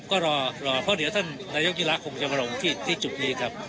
ก็รอเพราะเดี๋ยวท่านนายกยิ่งรักคงจะมาลงที่จุดนี้ครับ